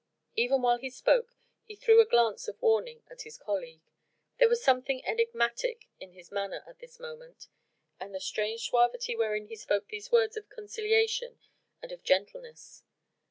Even while he spoke he threw a glance of warning on his colleague. There was something enigmatic in his manner at this moment, in the strange suavity wherewith he spoke these words of conciliation and of gentleness.